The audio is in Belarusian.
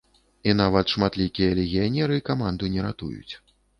І нават шматлікія легіянеры каманду не ратуюць.